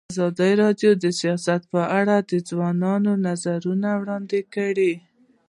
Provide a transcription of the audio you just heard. ازادي راډیو د سیاست په اړه د ځوانانو نظریات وړاندې کړي.